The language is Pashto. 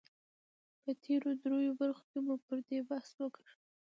په تېرو دريو برخو کې مو پر دې بحث وکړ